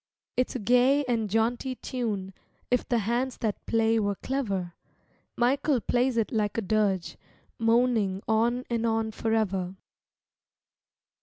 It's a gay and jaunty tune If the hands that play were clever: Michael plays it like a dirge, Moaning on and on forever.